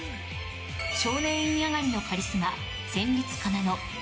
少年院上がりのカリスマ戦慄かなの。